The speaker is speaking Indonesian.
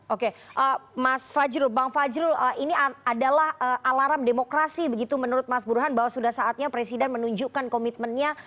oke mas fajrul bang fajrul ini adalah alarm demokrasi begitu menurut mas burhan bahwa sudah saatnya presiden menunjukkan komitmennya